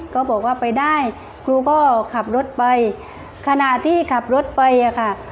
ก็บอกว่าไปได้ครูก็ขับรถไปขณะที่ขับรถไปอ่ะค่ะ